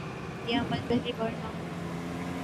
یہ عمل پہلی بار نہ ہو گا۔